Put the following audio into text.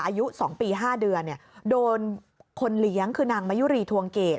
อายุ๒ปี๕เดือนโดนคนเลี้ยงคือนางมายุรีทวงเกรด